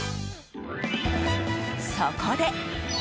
そこで！